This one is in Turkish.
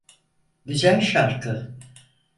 Güzel şarkı.